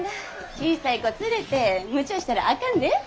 小さい子連れてむちゃしたらあかんで。